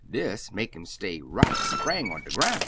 Des make 'im stay right spang on de groun'!"